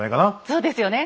そうですよね！